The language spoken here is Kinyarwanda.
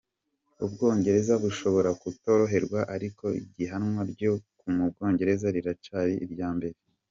Ubwongereza bushobora kutoroherwa ariko ihiganwa ryo mu Bwongereza riracari irya mbere.